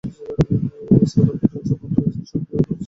Southampton বন্দরে চার সক্রিয় ক্রুজ টার্মিনাল রয়েছে।